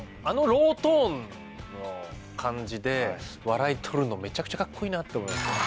あのロートーンの感じで笑いとるのめちゃくちゃカッコいいなって思います。